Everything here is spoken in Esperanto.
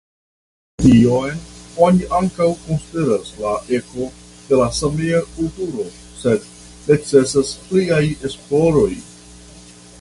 Tion oni ankaŭ konsideras la eko de la Samea kulturo, sed necesas pliaj esploroj.